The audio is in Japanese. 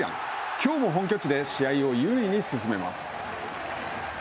きょうも本拠地で試合を優位に進めます。